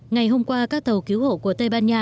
ngày hôm qua các tàu cứu hộ của tây ban nha